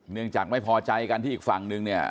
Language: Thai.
เนื่องจากไม่พอใจกันที่อีกฝั่งนึงเนี่ย